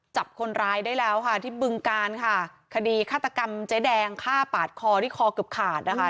จับคนร้ายได้แล้วค่ะที่บึงการค่ะคดีฆาตกรรมเจ๊แดงฆ่าปาดคอที่คอเกือบขาดนะคะ